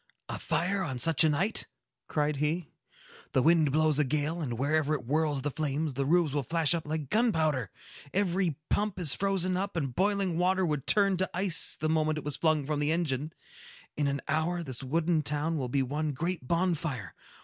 "A fire on such a night!" cried he. "The wind blows a gale, and wherever it whirls the flames, the roofs will flash up like gunpowder. Every pump is frozen up, and boiling water would turn to ice the moment it was flung from the engine. In an hour, this wooden town will be one great bonfire!